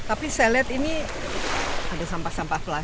tapi saya lihat ini ada sampah sampah plastik